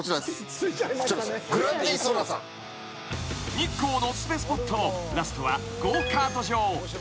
［日光のお薦めスポットラストはゴーカート場］